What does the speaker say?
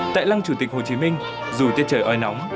tại lăng chủ tịch hồ chí minh dù tiết trời oi nóng